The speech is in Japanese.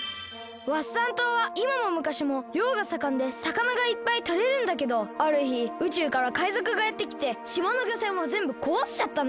ワッサン島はいまもむかしもりょうがさかんでさかながいっぱいとれるんだけどあるひ宇宙からかいぞくがやってきてしまのぎょせんをぜんぶこわしちゃったんだ。